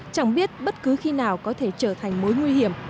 chẳng biết bất cứ khi nào có thể trở thành mối nguy hiểm